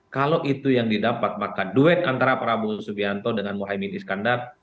kalau itu yang didapat maka duet antara prabowo subianto dengan mohaimin iskandar